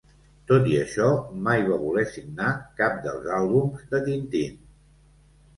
Tot i això mai va voler signar cap dels àlbums de Tintín.